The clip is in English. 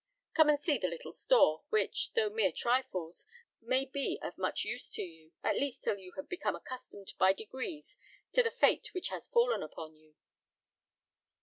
Come and see the little store, which, though mere trifles, may be of much use to you: at least till you have become accustomed by degrees to the fate which has fallen upon you."